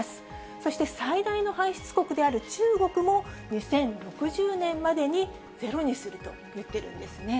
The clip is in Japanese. そして最大の排出国である中国も、２０６０年までにゼロにすると言ってるんですね。